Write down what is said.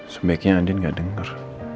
sebaiknya andin gak denger